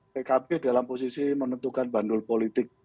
pkb dalam posisi menentukan bandul politik